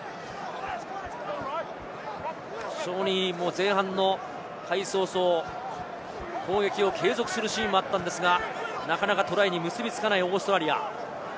非常に前半の開始早々、攻撃を継続するシーンもあったんですが、なかなかトライに結びつかないオーストラリア。